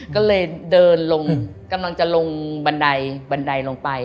ก็เลยเดินลงกำลังจะลงบันไดบันไดลงไป